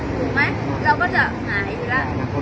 ถูกมั้ยเราก็จะหายอีกแล้ว